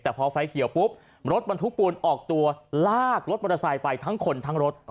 แต่พอไฟเขียวปุ๊บรถบรรทุกปูนออกตัวลากรถมอเตอร์ไซค์ไปทั้งคนทั้งรถ